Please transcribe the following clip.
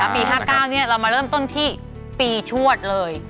ปี๕๙เรามาเริ่มต้นที่ปีชวดเลย